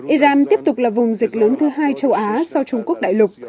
iran tiếp tục là vùng dịch lớn thứ hai châu á sau trung quốc đại lục